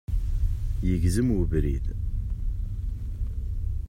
Yegzem ubrid